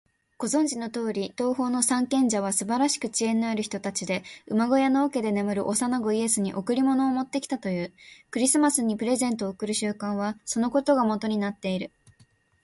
ご存じのとおり、東方の三賢者はすばらしく知恵のある人たちで、馬小屋の桶で眠る幼子イエスに贈り物を持ってきたという。クリスマスにプレゼントを贈る習慣は、そのことがもとになっている。